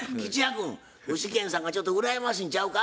君具志堅さんがちょっと羨ましいんちゃうか？